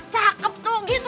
cakep tuh gitu